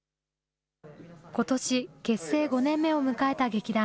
ことし、結成５年目を迎えた劇団。